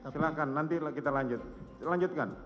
silahkan nanti kita lanjutkan